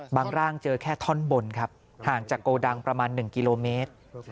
ร่างเจอแค่ท่อนบนครับห่างจากโกดังประมาณ๑กิโลเมตร